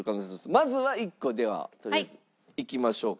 まずは１個ではとりあえずいきましょうか。